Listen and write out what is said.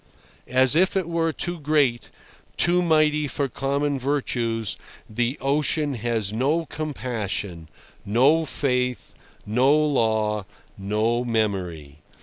As if it were too great, too mighty for common virtues, the ocean has no compassion, no faith, no law, no memory.